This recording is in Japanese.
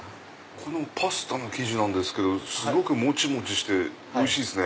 このパスタの生地なんですけどもちもちしておいしいですね。